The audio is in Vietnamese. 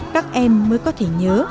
các em mới có thể nhớ